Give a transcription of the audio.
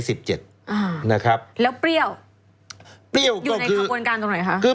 แล้วเปรี้ยวอยู่ในกระบวนการตรงไหนคะ